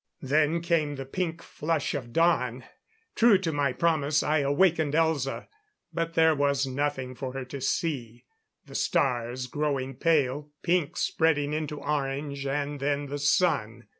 Then came the pink flush of dawn. True to my promise I awakened Elza. But there was nothing for her to see; the stars growing pale, pink spreading into orange, and then the sun.